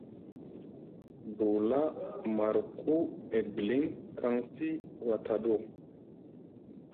Bula marku ebliŋ kaŋsi wataɗo ?